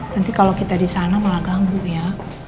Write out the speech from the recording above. nanti kalau kita disana malah ganggu ya